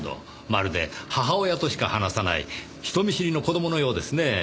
まるで母親としか話さない人見知りの子供のようですねぇ。